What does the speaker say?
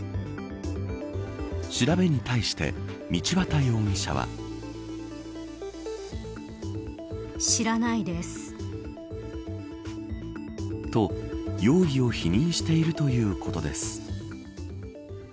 調べに対して道端容疑者は。と、容疑を否認しているということです。